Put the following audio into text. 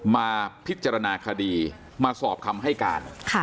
มาพิจารณาคดีมาสอบคำให้การ